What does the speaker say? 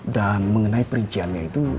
dan mengenai perinciannya itu